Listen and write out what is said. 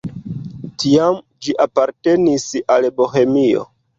Tiam ĝi apartenis al Bohemio.